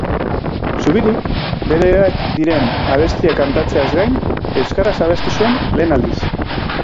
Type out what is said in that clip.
Zubirik, bereak diren abestiak kantatzeaz gain, euskaraz abestu zuen lehen aldiz.